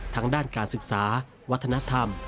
ทั้งด้านการศึกษาวัฒนธรรม